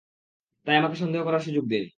তাই আমাকে সন্দেহ করার সুযোগ দিন।